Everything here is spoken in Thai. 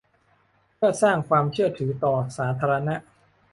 เพื่อสร้างความเชื่อถือต่อสาธารณะ